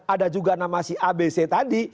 ada juga nama si abc tadi